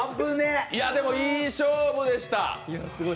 でも、いい勝負でした。